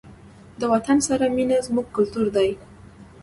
د وطن سره مینه زموږ کلتور دی.